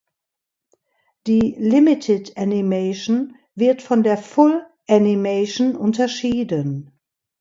Die Limited Animation wird von der Full Animation unterschieden.